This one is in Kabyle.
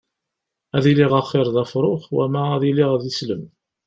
Ad iliɣ axiṛ d afṛux wama ad iliɣ d islem.